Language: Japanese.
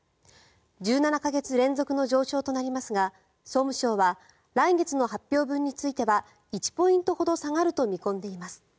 １７か月連続の上昇となりますが総務省は来月の発表分については１ポイントほど下がると見込んでいます。